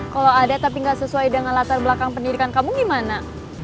kalau ada tapi gak sesuai dengan latar belakang pendidikan kamu gimana